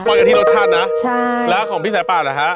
กันที่รสชาตินะใช่แล้วของพี่สายป่าเหรอฮะ